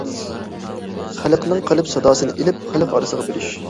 خەلقنىڭ قەلب ساداسىنى ئېلىپ، خەلق ئارىسىغا بېرىش.